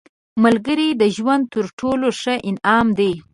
ملګری د ژوند تر ټولو ښه انعام دی